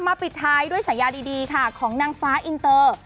ปิดท้ายด้วยฉายาดีค่ะของนางฟ้าอินเตอร์